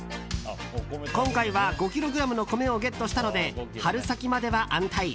今回は５ｋｇの米をゲットしたので春先までは安泰。